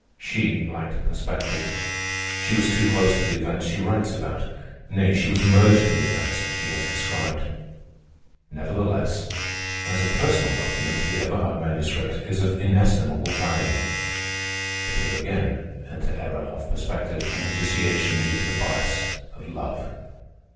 She lacked perspective. She was too close to the events she writes about. Nay, she was merged in the events she has described. Nevertheless, as a personal document, the Everhard Manuscript is of inestimable value. But here again enter error of perspective, and vitiation due to the bias of love.